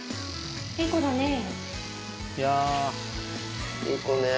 いい子だね。